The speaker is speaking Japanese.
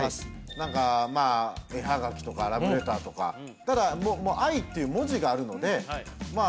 何かまあ絵はがきとかラブレターとかただもう「愛」っていう文字があるのでまあ